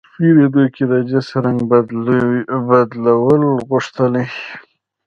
پیرودونکی د جنس رنګ بدلول غوښتل.